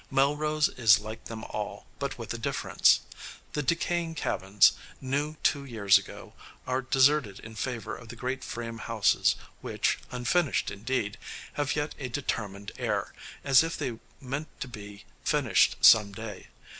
Melrose is like them all, but with a difference. The decaying cabins, new two years ago, are deserted in favor of the great frame houses, which, unfinished indeed, have yet a determined air, as if they meant to be finished some day.